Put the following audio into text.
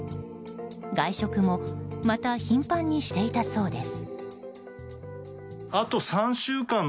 外食もまた頻繁にしていたそうです。